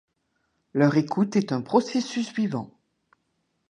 Leur écoute est un processus vivant.